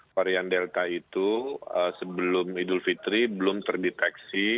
varian delta itu sebelum idul fitri belum terdeteksi